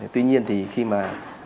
tuy nhiên thì khi mà